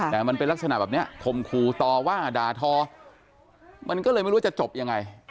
แต่มันเป็นลักษณะแบบนี้คมคู่ต่อว่าด่าทอมันก็เลยไม่รู้ว่าจะจบยังไง